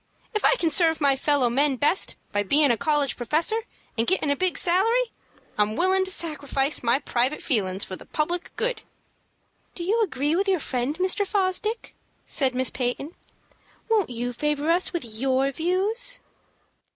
If I can serve my fellow men best by bein' a college professor, and gettin' a big salary, I'm willin' to sacrifice my private feelin's for the public good." "Do you agree with your friend, Mr. Fosdick?" said Miss Peyton. "Won't you favor us with your views?"